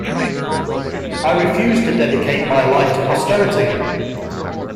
I refuse to dedicate my life to posterity.